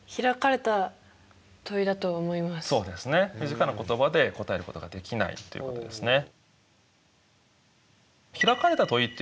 短な言葉で答えることができないということですね。